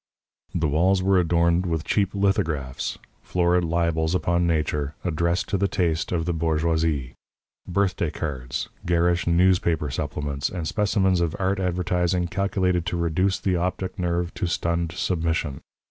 The walls were adorned with cheap lithographs florid libels upon nature, addressed to the taste of the bourgeoisie birthday cards, garish newspaper supplements, and specimens of art advertising calculated to reduce the optic nerve to stunned submission.